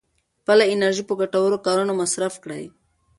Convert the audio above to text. خپله انرژي په ګټورو کارونو مصرف کړئ.